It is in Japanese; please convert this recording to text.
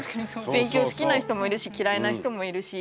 勉強好きな人もいるし嫌いな人もいるし。